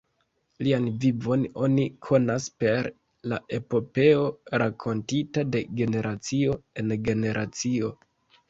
Lian vivon oni konas per la epopeo rakontita de generacio en generacio.